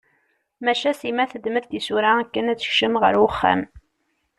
Maca Sima teddem-d tisura akken ad tekcem ɣer uxxam.